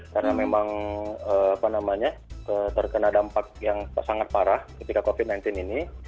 karena memang apa namanya terkena dampak yang sangat parah ketika covid sembilan belas ini